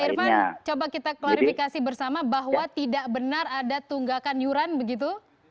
pak irfan coba kita klarifikasi bersama bahwa tidak benar ada tunggakan yuran begitu